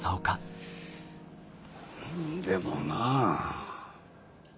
でもなあ。